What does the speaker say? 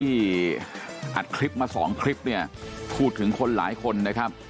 อัดคลิปมาสองคลิปเนี่ยพูดถึงคนหลายคนนะครับ